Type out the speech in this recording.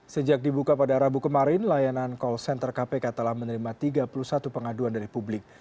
sejak dibuka pada rabu kemarin layanan call center kpk telah menerima tiga puluh satu pengaduan dari publik